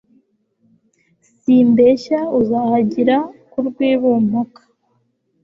simbeshya uzahagira ku rw'i bumpaka